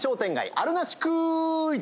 あるなしクイズ！